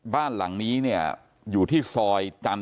บ้านหลังนี้เนี่ยอยู่ที่ซอยจันทร์